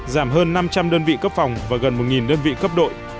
giảm hơn năm trăm linh đơn vị cấp phòng và gần một đơn vị cấp đội